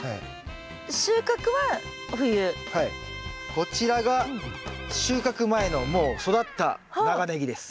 こちらが収穫前のもう育った長ネギです。